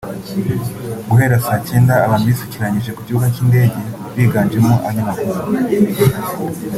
Guhera saa cyenda abantu bisukiranyije ku kibuga cy’indege biganjemo itangazamakuru